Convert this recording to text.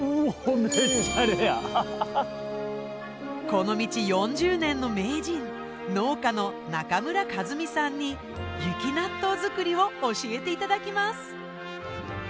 この道４０年の名人農家の中村一美さんに雪納豆作りを教えていただきます。